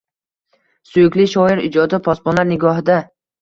Suyukli shoir ijodi posbonlar nigohida